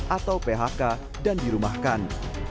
atau phk dan dirumahkan